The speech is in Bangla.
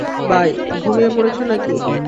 বাই, ঘুমিয়ে পড়েছো নাকি?